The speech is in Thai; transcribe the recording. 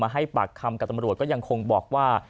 ให้ปากคำกับตำรวจก็ยังคงบอกว่า